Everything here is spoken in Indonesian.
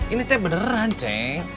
ini teh beneran ceng